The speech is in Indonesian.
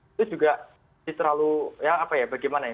itu juga di terlalu ya bagaimana ya